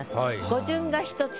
語順が１つ。